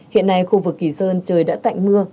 hiện nay khu vực kỳ sơn trời đã tạnh mưa